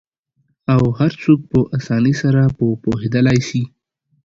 او هرڅوک په آسانۍ سره په پوهیدالی سي